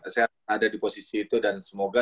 sehat ada di posisi itu dan semoga